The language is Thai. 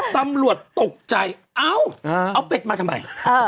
ตำรวจตกใจเอ้าเอาเป็ดมาทำไม